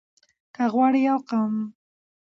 که غواړئ يو قوم